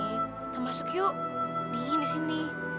kita masuk yuk dingin di sini